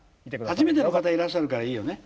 初めての方いらっしゃるからいいよね。